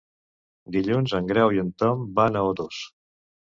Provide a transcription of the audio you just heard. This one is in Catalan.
Dilluns en Grau i en Tom van a Otos.